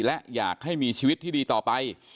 และอยากให้มีชีวิตที่ดีต่อไป